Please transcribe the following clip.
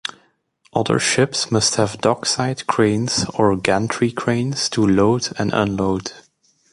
Other ships must have dock side cranes or gantry cranes to load and unload.